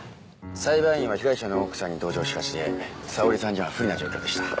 裁判員は被害者の奥さんに同情しがちで沙織さんには不利な状況でした。